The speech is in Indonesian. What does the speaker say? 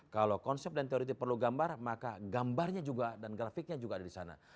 kalau konsep dan teoriti perlu gambar maka gambarnya juga dan grafiknya juga ada di sana